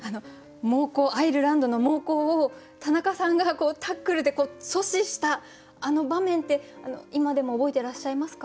アイルランドの猛攻を田中さんがタックルで阻止したあの場面って今でも覚えてらっしゃいますか？